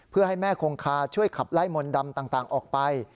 เพื่อให้แม่คงคาช่วยขับไล่มนต์ดำต่างออกไป